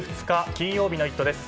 金曜日の「イット！」です。